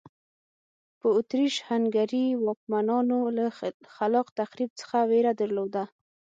په اتریش هنګري واکمنانو له خلاق تخریب څخه وېره درلوده.